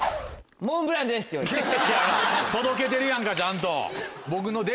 届けてるやんかちゃんと。